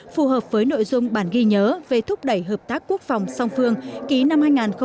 phù hợp với nội dung bản ghi nhớ về thúc đẩy hợp tác quốc phòng song phương ký năm hai nghìn một mươi tám